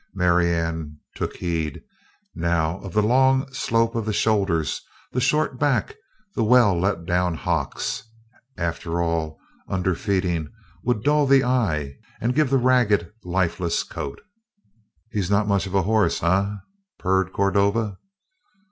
Marianne took heed, now, of the long slope of the shoulders, the short back, the well let down hocks. After all, underfeeding would dull the eye and give the ragged, lifeless coat. "He is not much horse, eh?" purred Cordova.